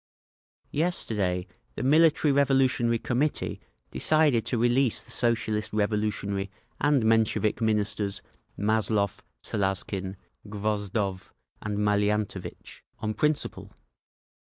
"Yesterday the Military Revolutionary Committee decided to release the Socialist Revolutionary and Menshevik Ministers, Mazlov, Salazkin, Gvozdov and Maliantovitch—on principle.